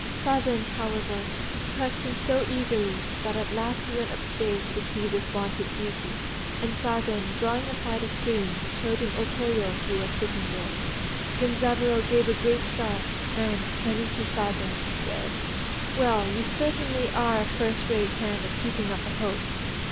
Sazen, however, pressed him so eagerly, that at last he went upstairs to see this vaunted beauty; and Sazen, drawing aside a screen, showed him O Koyo, who was sitting there. Genzaburô gave a great start, and, turning to Sazen, said, "Well, you certainly are a first rate hand at keeping up a hoax.